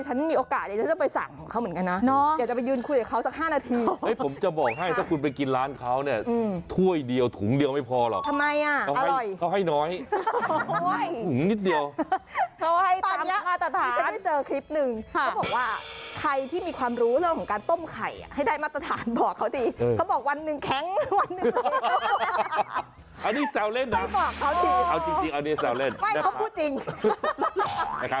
ฉันมีโอกาสเลยฉันจะไปสั่งเขาเหมือนกันนะเนาะเดี๋ยวจะไปยืนคุยกับเขาสักห้านาทีผมจะบอกให้ถ้าคุณไปกินร้านเขาเนี่ยถ้วยเดียวถุงเดียวไม่พอหรอกทำไมอ่ะอร่อยเขาให้น้อยถุงนิดเดียวเขาให้ตามมาตรฐานตอนนี้ฉันได้เจอคลิปหนึ่งเขาบอกว่าใครที่มีความรู้เรื่องของการต้มไข่ให้ได้มาตรฐานบอกเขาสิเขาบอกวันหนึ่